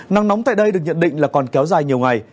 nắng nóng tại đây được nhận định là còn kéo dài nhiều ngày